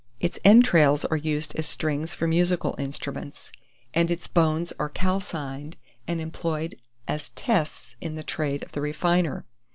Its entrails are used as strings for musical instruments, and its bones are calcined, and employed as tests in the trade of the refiner.